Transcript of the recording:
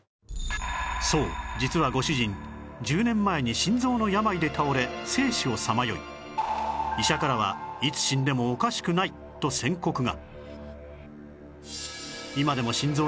そう実はご主人１０年前に心臓の病で倒れ生死をさまよい医者からはいつ死んでもおかしくないと宣告が